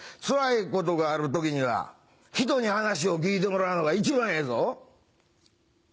「つらいことがある時にはひとに話を聞いてもらうのが一番ええぞ！」。